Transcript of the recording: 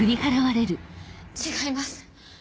違います！